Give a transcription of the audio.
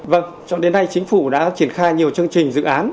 vâng cho đến nay chính phủ đã triển khai nhiều chương trình dự án